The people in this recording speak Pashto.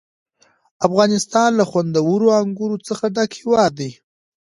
افغانستان له خوندورو انګورو څخه ډک هېواد دی.